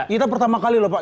kita pertama kali lho pak